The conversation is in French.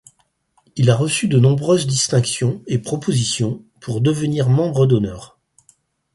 Il a reçu de nombreuses distinctions et propositions pour devenir membre d’honneur.